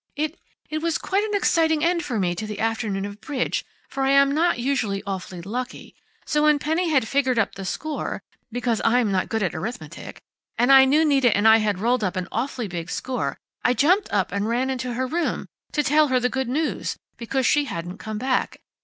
It it was quite an exciting end for me to the afternoon of bridge, for I'm not usually awfully lucky, so when Penny had figured up the score, because I'm not good at arithmetic, and I knew Nita and I had rolled up an awfully big score, I jumped up and ran into her room to tell her the good news, because she hadn't come back.